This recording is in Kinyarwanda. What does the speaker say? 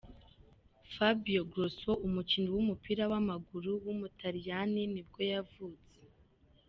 Fabio Grosso, umukinnyi w’umupira w’amaguru w’umutaliyani nibwo yavutse.